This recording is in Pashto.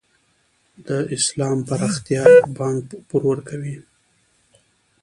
د اسلامي پراختیا بانک پور ورکوي؟